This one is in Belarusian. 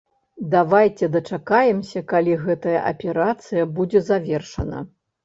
Давайце дачакаемся, калі гэтая аперацыя будзе завершана.